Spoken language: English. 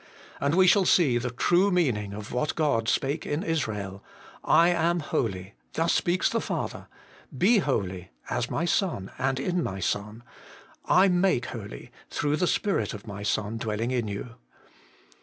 And we shall see the true meaning of what God spake in Israel :'/ am holy' thus speaks the Father ;' Be holy, ' as my Son and in my Son ;'/ make holy, ' through the Spirit of my Son dwelling in you.